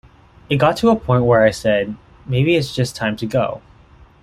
It got to a point where I said, 'Maybe it's just time to go.